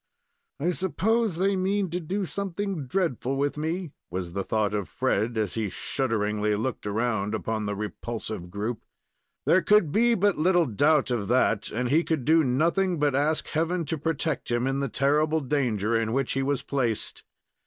"I suppose they mean to do something dreadful with me," was the thought of Fred, as he shudderingly looked around upon the repulsive group. There could be but little doubt of that, and he could do nothing but ask heaven to protect him in the terrible danger in which he was placed.